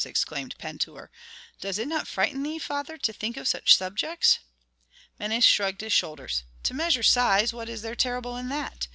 exclaimed Pentuer. "Does it not frighten thee, father, to think of such subjects?" Menes shrugged his shoulders. "To measure size, what is there terrible in that?